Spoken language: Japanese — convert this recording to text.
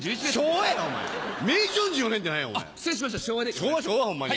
昭和昭和ホンマに。